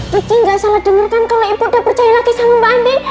michi gak salah denger kan kalau ibu udah percaya lagi sama mbak ande